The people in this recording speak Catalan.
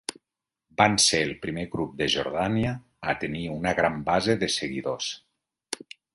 Van ser el primer grup de Jordània a tenir una gran base de seguidors.